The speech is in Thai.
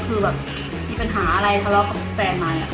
ถ้ามีปัญหาพาสมัครถอกกับผู้ฟัง